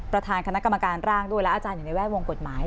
ประธานคณะกรรมการร่างด้วยและอาจารย์อยู่ในแวดวงกฎหมาย